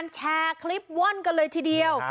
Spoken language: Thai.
แชร์คลิปว่อนกันเลยทีเดียว